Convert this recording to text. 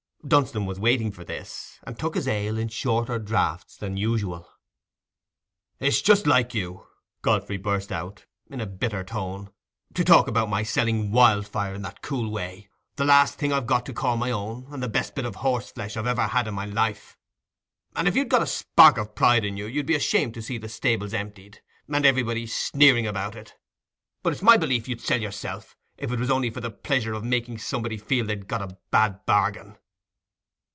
Dunstan was waiting for this, and took his ale in shorter draughts than usual. "It's just like you," Godfrey burst out, in a bitter tone, "to talk about my selling Wildfire in that cool way—the last thing I've got to call my own, and the best bit of horse flesh I ever had in my life. And if you'd got a spark of pride in you, you'd be ashamed to see the stables emptied, and everybody sneering about it. But it's my belief you'd sell yourself, if it was only for the pleasure of making somebody feel he'd got a bad bargain."